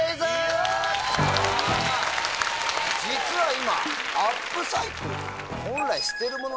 実は今。